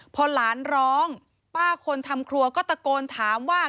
พอหลานร้องป้าคนทำครัวก็ตะโกนถามว่า